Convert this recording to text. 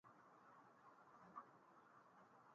Zliw ma sattam ay ek zlara ndagzrana.